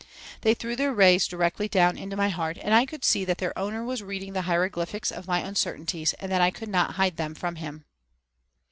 They threw their rays directly down into my heart and I could see that their owner was reading the hieroglyphics of my uncertainties and that I could not hide them from him.